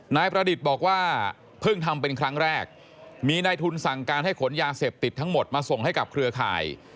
นายประดิษฐ์บอกว่าเพิ่งทำเป็นครั้งแรกมีนายทุนสั่งการให้ขนยาเสพติดทั้งหมดมาส่งให้กับเครือข่าย